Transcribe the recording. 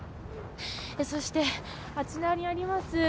そして、あちらにあります